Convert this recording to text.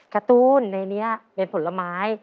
การ์ตูนในนี้เป็นผลไม้